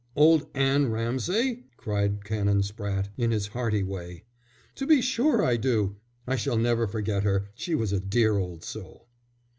"Old Anne Ramsay?" cried Canon Spratte, in his hearty way. "To be sure I do! I shall never forget her. She was a dear old soul."